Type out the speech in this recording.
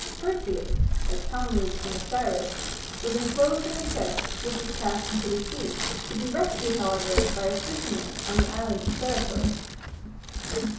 Perseus, like Tammuz and Osiris, was enclosed in a chest which was cast into the sea, to be rescued, however, by a fisherman on the island of Seriphos.